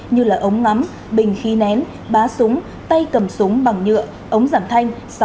như là ống ngắm bình khí nén bá súng tay cầm súng bằng nhựa ống giảm thanh